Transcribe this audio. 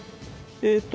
えっと